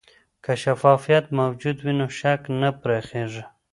که شفافیت موجود وي، شک نه پراخېږي.